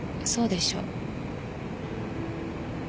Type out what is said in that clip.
そうでしょ？